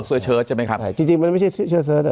เสื้อเชิดใช่ไหมครับจริงจริงมันไม่ใช่เสื้อเชิดอ่ะ